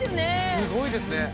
すごいですね。